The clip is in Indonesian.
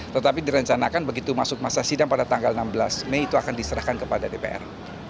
tetapi direncanakan begitu masuk masa sidang pada tanggal enam belas mei itu akan diserahkan kepada dpr